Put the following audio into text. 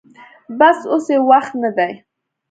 بس اوس يې وخت نه دې.